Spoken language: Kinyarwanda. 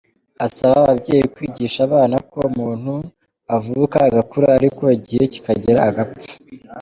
Asaba ababyeyi kwigisha abana ko umuntu avuka, agakura ariko igihe kikagera agapfa.